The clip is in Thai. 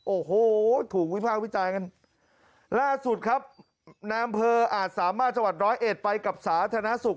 โอ้โหถูกวิภาควิจัยกันล่าสุดครับนามเพออาจสามารถจังหวัด๑๐๑ไปกับสาธารณสุข